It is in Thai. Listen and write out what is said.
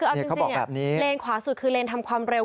คือเอาจริงเลนขวาสุดคือเลนทำความเร็ว